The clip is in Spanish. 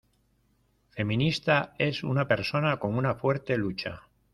Feminista es una persona con una fuerte lucha.